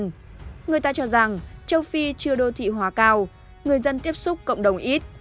chúng ta cho rằng châu phi chưa đô thị hóa cao người dân tiếp xúc cộng đồng ít